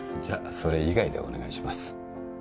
それ以外でお願いします